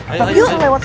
nggak apa apa kum